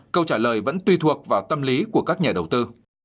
câu trả lời vẫn tùy thuộc vào tâm lý của các nhà đầu tư